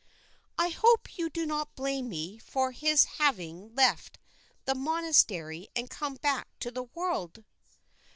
"I hope you do not blame me for his having left the monastery and come back to the world."